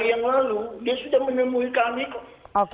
dia sudah menemui kami kok